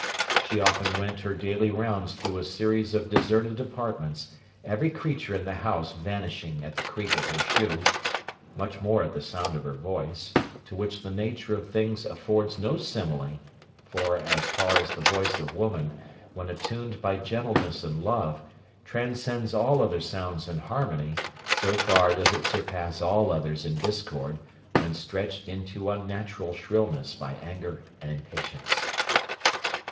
She often went her daily rounds through a series of deserted apartments, every creature in the house vanishing at the creak of her shoe, much more at the sound of her voice, to which the nature of things affords no simile; for, as far as the voice of woman, when attuned by gentleness and love, transcends all other sounds in harmony, so far does it surpass all others in discord, when stretched into unnatural shrillness by anger and impatience.